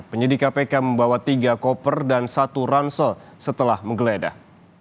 penyidik kpk membawa tiga koper dan satu ransel setelah menggeledah